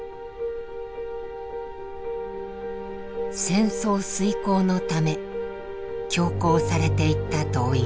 戦争遂行のため強行されていった動員。